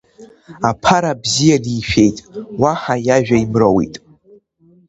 Аԥара бзианы ишәеит, уаҳа иажәа имроуит.